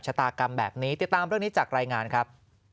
ชะตากรรมแบบนี้ติดตามเรื่องนี้จากรายงานครับ